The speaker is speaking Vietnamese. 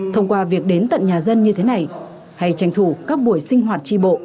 thông qua việc đến tận nhà dân như thế này hay tranh thủ các buổi sinh hoạt tri bộ